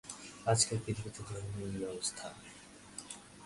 আজকাল পৃথিবীতে ধর্মের এই অবস্থা।